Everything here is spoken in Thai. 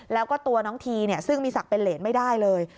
แล้วก็ตัวน้องทีซึ่งมีศักดิ์เป็นเหรนไม่ได้เลย